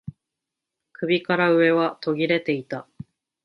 首から上は途切れていた